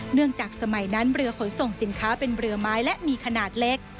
จากสมัยนั้นเรือขนส่งสินค้าเป็นเรือไม้และมีขนาดเล็ก